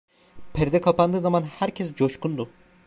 Perde kapandığı zaman herkes coşkundu.